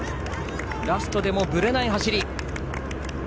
ラストでもぶれない走り。